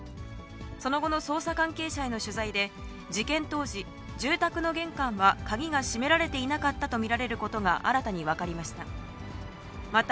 その後の捜査関係者への取材で、事件当時、住宅の玄関は鍵が閉められていなかったと見られることが新たに分かりました。